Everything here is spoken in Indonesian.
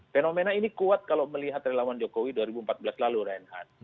fenomena ini kuat kalau melihat relawan jokowi dua ribu empat belas lalu reinhardt